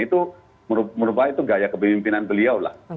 itu merupakan itu gaya kepemimpinan beliau lah